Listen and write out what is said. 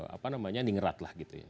apa namanya ningrat lah gitu ya